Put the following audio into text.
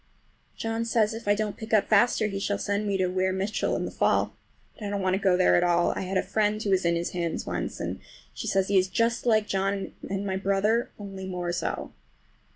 John says if I don't pick up faster he shall send me to Weir Mitchell in the fall. But I don't want to go there at all. I had a friend who was in his hands once, and she says he is just like John and my brother, only more so!